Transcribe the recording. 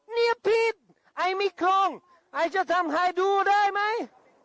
เนี่ยผิดไอไม่คล่องไอจะทำให้ดูได้ไหม